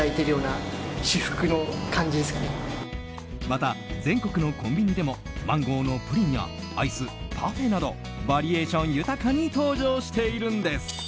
また、全国のコンビニでもマンゴーのプリンやアイスパフェなどバリエーション豊かに登場しているんです。